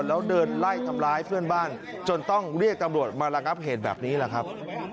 แล้วเดินไล่ทำร้ายเพื่อนบ้านจนต้องเรียกตำรวจมาระงับเหตุแบบนี้แหละครับ